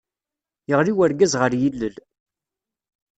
Yeɣli urgaz ɣer yilel!